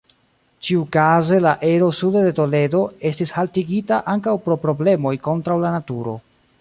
Ĉiukaze la ero sude de Toledo estis haltigita ankaŭ pro problemoj kontraŭ la naturo.